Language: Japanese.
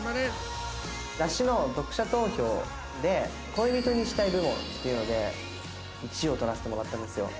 雑誌の読者投票で恋人にしたい部門っていうので１位を取らせてもらったんですよ。